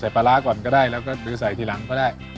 ปลาร้าก่อนก็ได้แล้วก็ลื้อใส่ทีหลังก็ได้